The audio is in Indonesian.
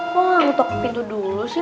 kok untuk pintu dulu sih